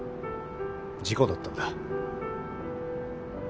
事故だったんだ。